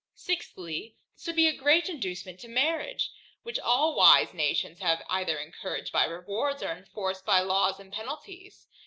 Sixthly, This would be a great inducement to marriage, which all wise nations have either encouraged by rewards, or enforced by laws and penalties.